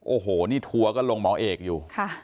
โอ้โหนี่ทัวร์ก็ลงหมอเอกอยู่